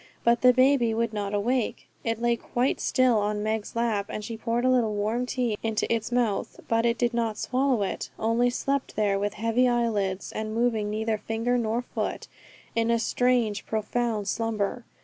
But the baby would not awake. It lay quite still on Meg's lap, and she poured a little warm tea into its mouth, but it did not swallow it, only slept there with heavy eyelids, and moving neither finger nor foot, in a strange, profound slumber.